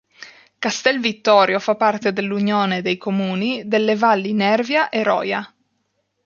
Castel Vittorio fa parte dell'Unione dei comuni delle Valli Nervia e Roja.